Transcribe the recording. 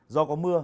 do có mưa